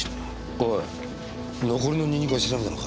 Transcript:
おい残りのニンニクは調べたのか？